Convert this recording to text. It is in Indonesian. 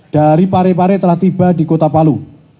dari pare pare telah tiba di kota palu